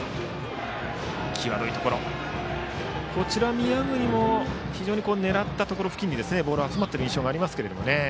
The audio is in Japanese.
宮國も非常に狙ったところ付近にボールが集まっている印象がありますが。